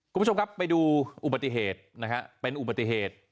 คุณผู้ชมครับไปดูอุบัติเหตุนะฮะเป็นอุบัติเหตุ